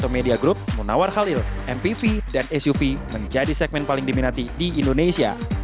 media group munawar khalil mpv dan suv menjadi segmen paling diminati di indonesia